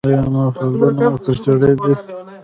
ایا مفصلونه مو پړسیدلي دي؟